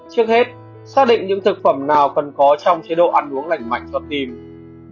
trước hết xác định những thực phẩm nào cần có trong chế độ ăn uống lạnh mạnh cho tim mạch